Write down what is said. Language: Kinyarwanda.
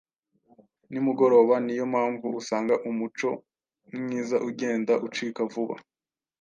nimugoroba Ni yo mpamvu usanga umuco mwiza ugenda ucika vuba